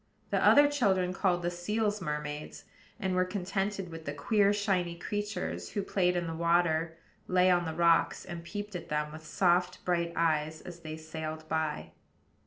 The other children called the seals mermaids; and were contented with the queer, shiny creatures who played in the water, lay on the rocks, and peeped at them with soft, bright eyes as they sailed by.